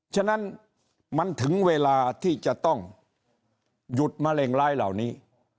ฉะนั้นมันถึงเวลาที่จะต้องหยุดมะเร็งร้ายเหล่านี้